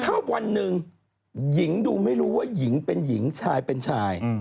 ถ้าวันหนึ่งหญิงดูไม่รู้ว่าหญิงเป็นหญิงชายเป็นชาย